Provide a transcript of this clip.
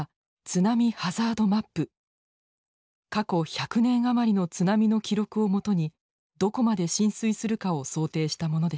過去１００年余りの津波の記録を基にどこまで浸水するかを想定したものでした。